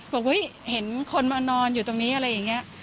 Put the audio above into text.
เห็นคนมานอนอยู่ตรงนี้อะไรอย่างนี้